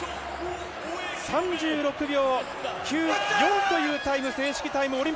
３６秒９４という正式タイム。